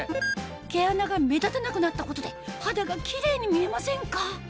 毛穴が目立たなくなったことで肌がキレイに見えませんか？